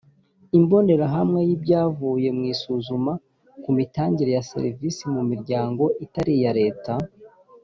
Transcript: imbonerahamwe y ibyavuye mu isuzuma ku mitangire ya serivisi mu miryango itari iya leta